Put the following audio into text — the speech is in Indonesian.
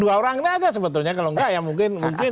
dua orangnya ada sebetulnya kalau enggak ya mungkin